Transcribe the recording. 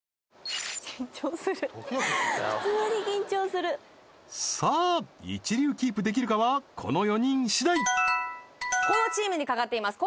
緊張する普通に緊張するさあ一流キープできるかはこの４人しだいこのチームに懸かっています